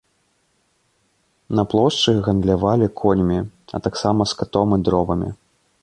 На плошчы гандлявалі коньмі, а таксама скатом і дровамі.